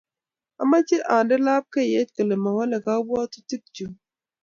Amoche ande lapkeyet kole mawole kabwatutik chuk